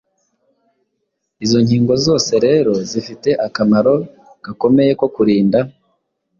Izo nkingo zose rero zifite akamaro gakomeye ko kurinda